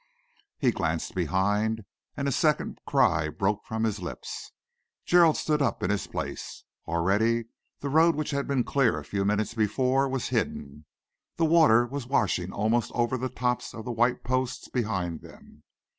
He glanced behind, and a second cry broke from his lips. Gerald stood up in his place. Already the road which had been clear a few minutes before was hidden. The water was washing almost over the tops of the white posts behind them.